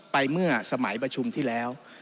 เมื่อสมัยประชุมที่แล้ว